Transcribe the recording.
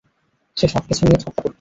সে সব কিছু নিয়ে ঠাট্টা করতো।